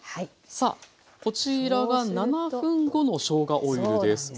さあこちらが７分後のしょうがオイルです。